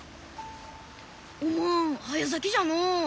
おまん早咲きじゃのう。